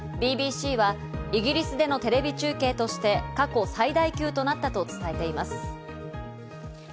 ＢＢＣはイギリスでのテレビ中継として過去最大級となったと伝えています。